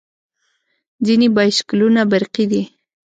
ځینې بایسکلونه برقي دي.